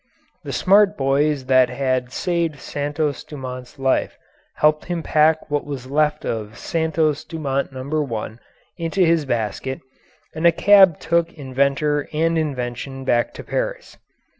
The smart boys that had saved Santos Dumont's life helped him pack what was left of "Santos Dumont No. 1" into its basket, and a cab took inventor and invention back to Paris.